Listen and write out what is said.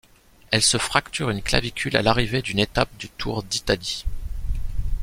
Elle se fracture une clavicule à l’arrivée d'une étape du Tour d'Italie.